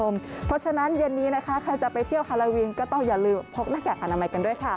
เพราะฉะนั้นทุกคนที่จะเป็นที่เที่ยวฮาลาวีนก็จอดอย่าลืมเภาะน้องหน้ากากค่อนอื่นด้วย